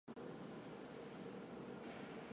樊子鹄被加仪同三司。